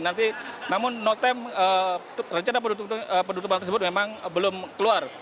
nanti namun notem rencana penutupan tersebut memang belum keluar